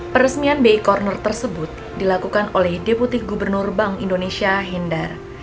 peresmian bi corner tersebut dilakukan oleh deputi gubernur bank indonesia hindar